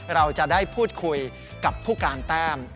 เราจะได้พูดคุยกับผู้การแต้ม